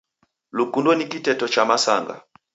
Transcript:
Lukundo ni kiteto cha masanga